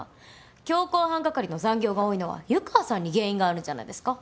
強行犯係の残業が多いのは湯川さんに原因があるんじゃないですか？